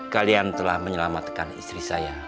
kalian telah menyelamatkan istri saya